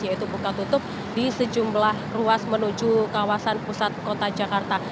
yaitu buka tutup di sejumlah ruas menuju kawasan pusat kota jakarta